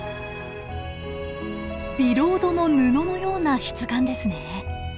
ビロードの布のような質感ですね。